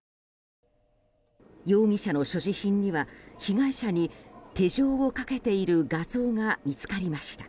容疑者の所持品には被害者に手錠をかけている画像が見つかりました。